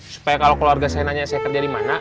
supaya kalau keluarga saya nanya saya kerja di mana